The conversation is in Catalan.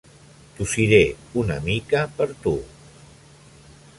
Tossiré una mica per tu.